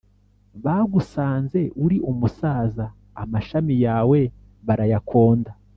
Bagusanze uri umusaza Amashami yawe barayakonda